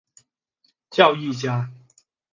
教育家。